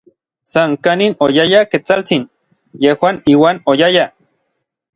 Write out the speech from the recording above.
San kanin oyaya Ketsaltsin, yejuan iuan oyayaj.